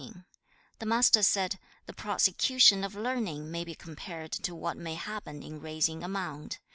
The Master said, 'The prosecution of learning may be compared to what may happen in raising a mound.